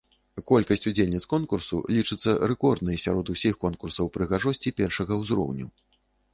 Колькасць удзельніц конкурсу лічыцца рэкорднай сярод усіх конкурсаў прыгажосці першага ўзроўню.